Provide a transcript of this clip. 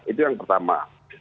itu yang pertama